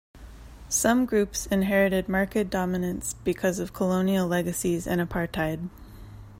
Some groups inherited market dominance because of colonial legacies and apartheid.